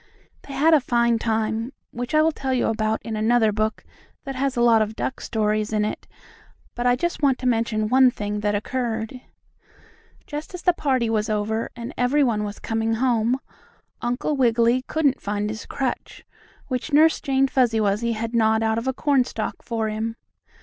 They had a fine time, which I will tell you about in another book that has a lot of duck stories in it. But I just want to mention one thing that occurred. Just as the party was over, and every one was coming home, Uncle Wiggily couldn't find his crutch, which Nurse Jane Fuzzy Wuzzy had gnawed out of a cornstalk for him.